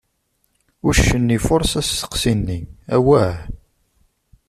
Uccen ifuṛes asteqsi-nni: Awah!